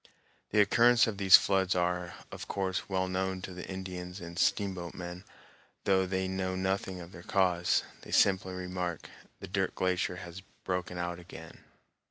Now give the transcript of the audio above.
The occurrence of these floods are, of course, well known to the Indians and steamboat men, though they know nothing of their cause. They simply remark, "The Dirt Glacier has broken out again."